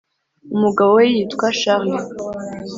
umugabo we yitwa charles,